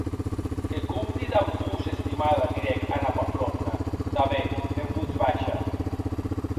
Que compdi damb vos, estimada, didec Anna Pavlovna tanben en votz baisha.